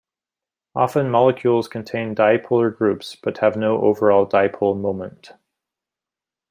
Often molecules contain dipolar groups, but have no overall dipole moment.